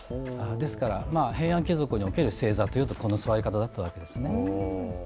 ですから平安貴族における正座というとこの座り方だったわけです。